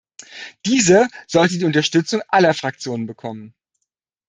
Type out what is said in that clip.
Diese sollte die Unterstützung aller Fraktionen bekommen.